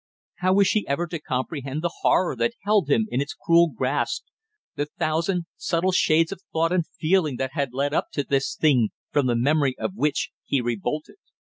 How was she ever to comprehend the horror that held him in its cruel grasp, the thousand subtle shades of thought and feeling that had led up to this thing, from the memory of which he revolted!